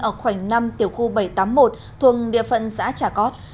ở khoảnh năm tiểu khu bảy trăm tám mươi một thuồng địa phận xã trà cót